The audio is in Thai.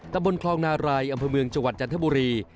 ตำบลคลองนารายอำเภอเมืองจังหวัดจันทบุรี